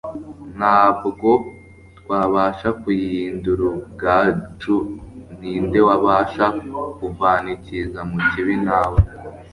nta bgo twabasha kuyihindurubgacu Ni nde wabasha kuvanicyiza mu kibi Nta we